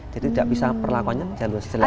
jadi tidak bisa perlakunya jelas jelas tidak